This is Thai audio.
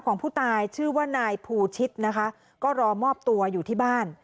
ของผู้ตายชื่อว่านายภูชิตนะคะก็รอมอบตัวอยู่ที่บ้าน